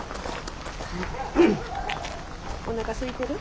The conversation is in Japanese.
おなかすいてる？